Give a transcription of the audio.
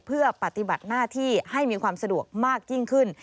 เพื่อปฏิบัติหน้าที่ให้มีความสะดวกมากยิ่งขึ้น